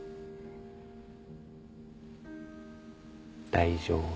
大丈夫。